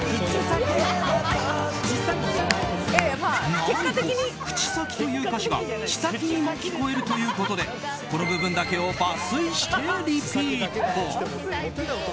何と、「口先」という歌詞が「ちさき」にも聴こえるということでこの部分だけを抜粋してリピート。